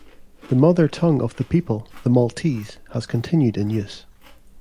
The mother-tongue of the people, the Maltese, has continued in use.